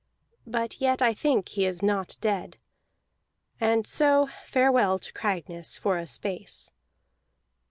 But yet I think he is not dead. And so farewell to Cragness for a space."